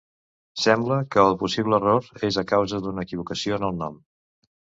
Sembla que el possible error és a causa d'una equivocació en el nom.